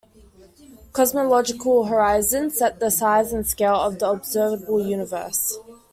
Cosmological horizons set the size and scale of the observable universe.